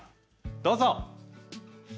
どうぞ！